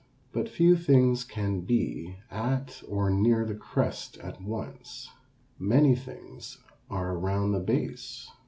But few things can be at or near the crest at once. Many things are around the base.